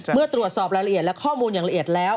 เมื่อตรวจสอบรายละเอียดและข้อมูลอย่างละเอียดแล้ว